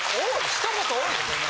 ひと言多い！